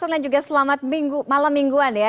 silahkan juga selamat malam mingguan ya